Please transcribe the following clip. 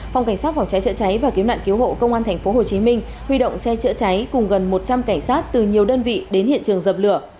phòng cảnh sát phòng cháy chữa cháy và cứu nạn cứu hộ công an tp hcm huy động xe chữa cháy cùng gần một trăm linh cảnh sát từ nhiều đơn vị đến hiện trường dập lửa